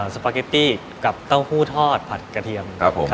สปาเกตตี้กับเต้าหู้ทอดผัดกระเทียม